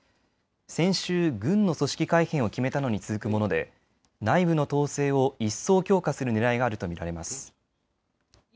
先週、軍の組織改編を決めたのに続くもので内部の統制を一層強化するねらいがあると見られます。